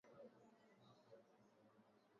mauaji hayo yalikuwa chanzo cha mauaji ya kimbari